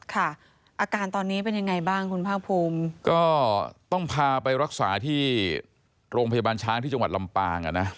อาการตอนนี้เป็นยังไงบ้างคุณภาคภูมิก็ต้องพาไปรักษาที่โรงพยาบาลช้างที่จังหวัดลำปางอ่ะนะ